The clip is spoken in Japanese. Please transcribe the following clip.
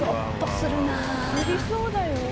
すりそうだよ。